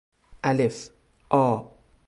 الف آ